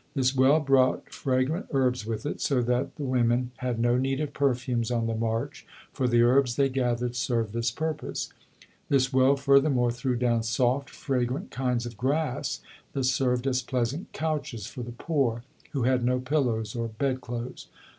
This well brought fragrant herbs with it, so that the women had no need of perfumes on the march, for the herbs they gathered served this purpose. This well furthermore threw down soft, fragrant kinds of grass that served as pleasant couches for the poor, who had no pillows or bedclothes.